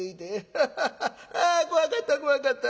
アハハハあ怖かった怖かった。